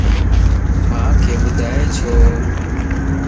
مانک ٻدائي ڇو؟